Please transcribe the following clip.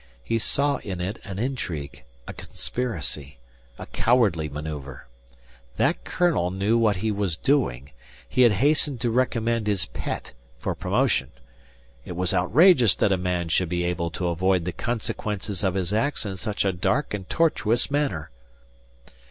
He saw in it an intrigue, a conspiracy, a cowardly manoeuvre. That colonel knew what he was doing. He had hastened to recommend his pet for promotion. It was outrageous that a man should be able to avoid the consequences of his acts in such a dark and tortuous manner.